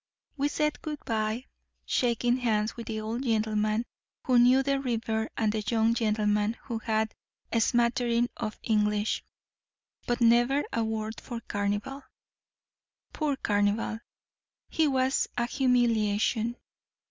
We said good bye, shaking hands with the old gentleman who knew the river and the young gentleman who had a smattering of English; but never a word for Carnival. Poor Carnival! here was a humiliation.